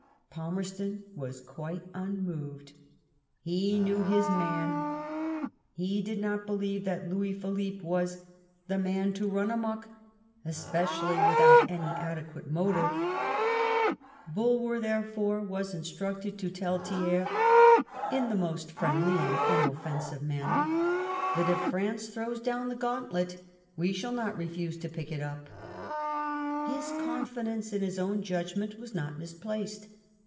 Palmerston was quite unmoved. He knew his man. He did not believe that Louis Philippe was " the man to run amuck, especially without any adequate motive ".^ Bulwer, therefore, was instructed to tell Thiers, ^ To Bulwer, July 21st, 1840, 156 THE FOREIGN POLICY OF LORD PALMERSTON [1830 *'in the most friendly and inoffensive manner, that if France throws down the gauntlet we shall not refuse to pick it up ".^ His con fidence in his own judgment was not misplaced.